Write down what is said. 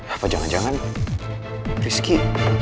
apa jangan jangan rizky